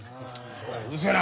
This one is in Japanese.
うるせえな。